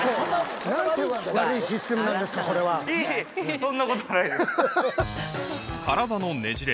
そんなことないです。